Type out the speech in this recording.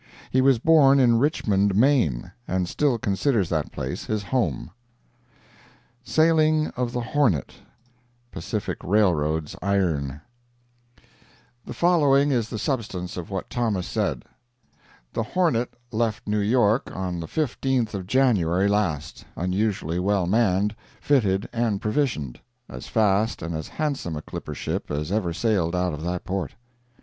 He was born in Richmond, Maine, and still considers that place his home. SAILING OF THE "HORNET"—PACIFIC RAILROAD IRON The following is the substance of what Thomas said: The Hornet left New York on the 15th of January last, unusually well manned, fitted and provisioned—as fast and as handsome a clipper ship as ever sailed out of that port.